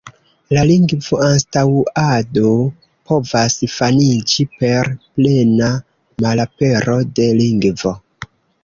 La lingvo-anstaŭado povas finiĝi per plena malapero de lingvo.